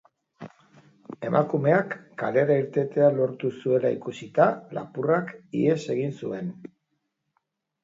Emakumeak kalera irtetea lortu zuela ikusita, lapurrak ihes egin zuen.